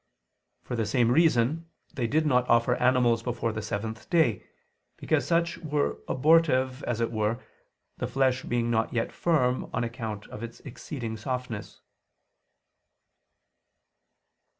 For the same reason they did not offer animals before the seventh day, because such were abortive as it were, the flesh being not yet firm on account of its exceeding softness.